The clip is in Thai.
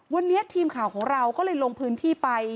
วันนี้ทีมข่าวของเราก็เลยลงพื้นที่ไป